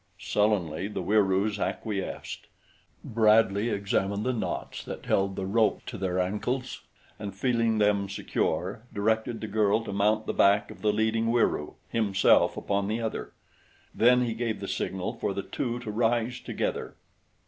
Sullenly the Wieroos acquiesced. Bradley examined the knots that held the rope to their ankles, and feeling them secure directed the girl to mount the back of the leading Wieroo, himself upon the other. Then he gave the signal for the two to rise together.